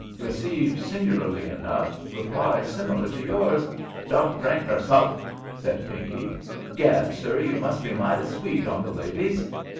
Received, sing'larly enough, reply similar to yours. 'Don't drink nor smoke?' said Pinkey. 'Gad, sir, you must be mighty sweet on the ladies.